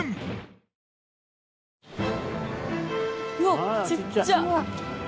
うわっちっちゃ！